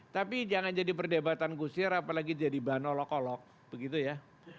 tapi jangan jadi perdebatan kusir apalagi jadi bahan olok olok begitu ya